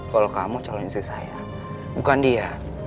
kalau kamu calon istri saya bukan dia